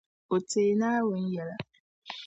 O teei Naawuni yɛla.